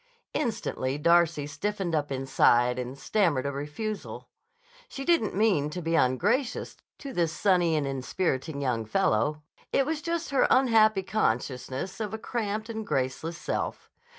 Instantly Darcy stiffened up inside and stammered a refusal. She didn't mean to be ungracious to this sunny and inspiriting young fellow. It was just her unhappy consciousness of a cramped and graceless self.